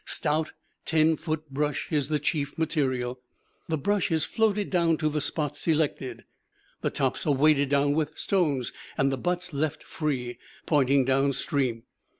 Stout, ten foot brush is the chief material. The brush is floated down to the spot selected; the tops are weighted down with stones, and the butts left free, pointing down stream.